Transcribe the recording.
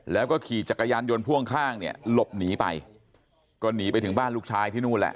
แล้วก็ขี่จักรยานยนต์พ่วงข้างเนี่ยหลบหนีไปก็หนีไปถึงบ้านลูกชายที่นู่นแหละ